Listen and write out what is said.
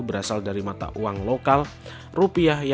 berasal dari mata uang lokal rp tujuh puluh tujuh puluh lima